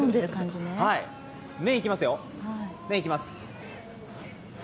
麺いきます。